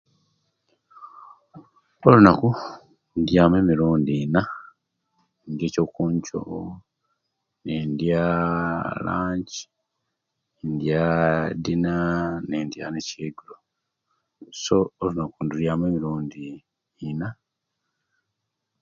Kulunaku indiya mu emirundi Ina ekyokunkyo nindya lunch, nindya dina nindya ekyegulo so olunaku ndyamu emirundi Ina